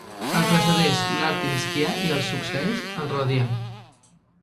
El precedeix l'Artinskià i el succeeix el Roadià.